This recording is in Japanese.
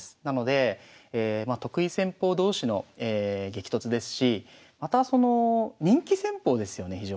なので得意戦法同士の激突ですしまたその人気戦法ですよね